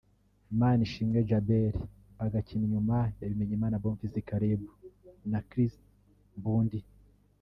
Manishimwe Djabel agakina inyuma ya Bimenyimana Bonfils Caleb na Christ Mbondy